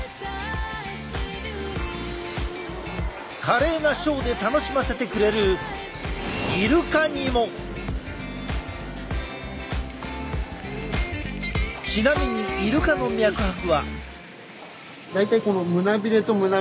華麗なショーで楽しませてくれるちなみにイルカの脈拍は。